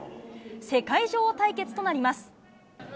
世界女王対決となります。